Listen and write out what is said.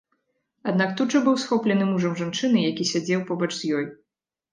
Аднак тут жа быў схоплены мужам жанчыны, які сядзеў побач з ёй.